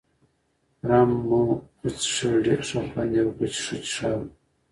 رم مو وڅښل، ډېر ښه خوند يې وکړ، چې ښه څښاک وو.